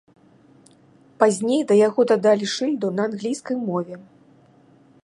Пазней да яго дадалі шыльду на англійскай мове.